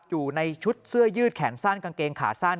อยู่ในชุดเสื้อยืดแขนสั้นกางเกงขาสั้น